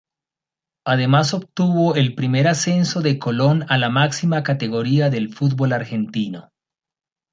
Además obtuvo el primer ascenso de Colón a la máxima categoría del fútbol argentino.